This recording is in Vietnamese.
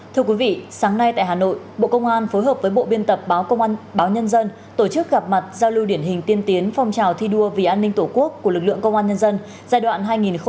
thưa quý vị sáng nay tại hà nội bộ công an phối hợp với bộ biên tập báo công an báo nhân dân tổ chức gặp mặt giao lưu điển hình tiên tiến phong trào thi đua vì an ninh tổ quốc của lực lượng công an nhân dân giai đoạn hai nghìn một mươi sáu hai nghìn hai mươi ba